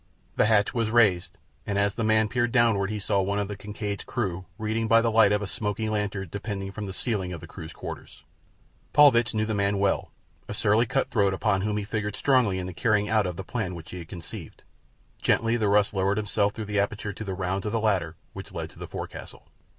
The hatch was raised, and as the man peered downward he saw one of the Kincaid's crew reading by the light of the smoky lantern depending from the ceiling of the crew's quarters. Paulvitch knew the man well, a surly cut throat upon whom he figured strongly in the carrying out of the plan which he had conceived. Gently the Russ lowered himself through the aperture to the rounds of the ladder which led into the forecastle.